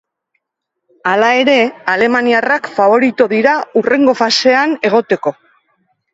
Hala ere, alemaniarrak faborito dira hurrengo fasean egoteko.